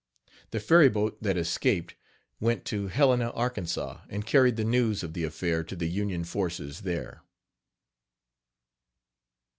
The ferry boat that escaped went to Helena, Arkansas, and carried the news of the affair to the Union forces there.